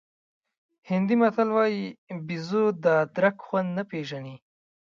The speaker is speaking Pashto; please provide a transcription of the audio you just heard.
هندي متل وایي بېزو د ادرک خوند نه پېژني.